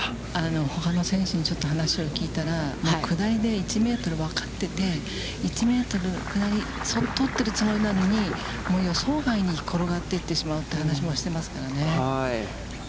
ほかの選手にちょっと話を聞いたら、下りで１メートルって、わかってて、１メートルの下り、そう取っているつもりなのに、予想外に転がっていってしまうという話もしていますからね。